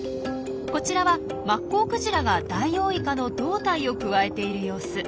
こちらはマッコウクジラがダイオウイカの胴体をくわえている様子。